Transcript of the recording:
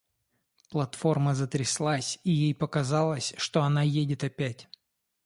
Платформа затряслась, и ей показалось, что она едет опять.